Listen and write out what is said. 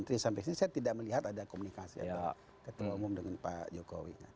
sejak kekulangan ini saya tidak melihat ada komunikasi ketua umum dengan pak jokowi